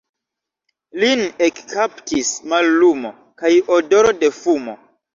Lin ekkaptis mallumo kaj odoro de fumo.